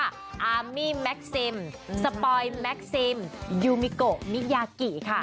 อามี่แม็กซิมสปอยแม็กซิมยูมิโกมิยากิค่ะ